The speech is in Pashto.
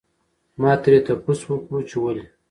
ما ترې تپوس وکړو چې ولې؟